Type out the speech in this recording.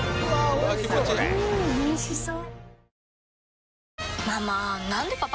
うんおいしそう。